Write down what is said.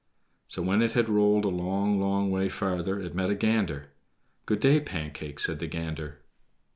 So when it had rolled a long, long way farther, it met a gander. "Good day, Pancake," said the gander.